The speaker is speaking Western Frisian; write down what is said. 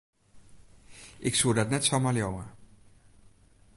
Ik soe dat net samar leauwe.